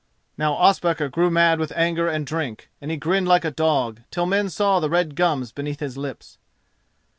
Now Ospakar grew mad with anger and drink—and he grinned like a dog, till men saw the red gums beneath his lips.